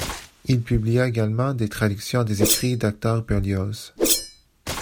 Il publia également des traductions des écrits d'Hector Berlioz.